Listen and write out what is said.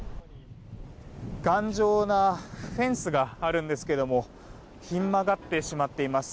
頑丈なフェンスがあるんですがひん曲がってしまっています。